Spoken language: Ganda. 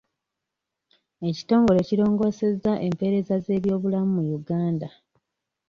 Ekitongole kirongoosezza empeereza z'ebyobulamu mu Uganda.